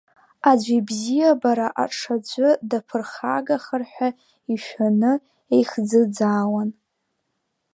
Аӡә ибзиабара аҽаӡәы даԥырхагахар ҳәа ишәаны еихӡыӡаауан.